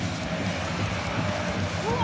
「うわ！」